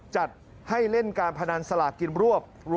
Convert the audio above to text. จัดให้เล่นการพนันสลากกินรวบ